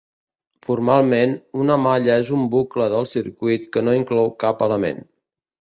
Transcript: Formalment, una malla és un bucle del circuit que no inclou cap element.